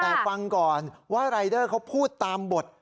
แต่ฟังก่อนว่ารายเดอร์เขาพูดตามบท